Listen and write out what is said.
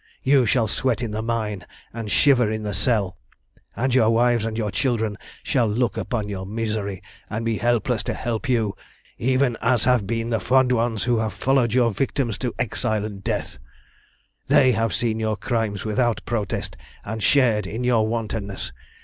You shall sweat in the mine and shiver in the cell, and your wives and your children shall look upon your misery and be helpless to help you, even as have been the fond ones who have followed your victims to exile and death. "They have seen your crimes without protest, and shared in your wantonness.